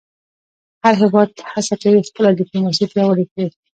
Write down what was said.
هر هېواد هڅه کوي خپله ډیپلوماسي پیاوړې کړی.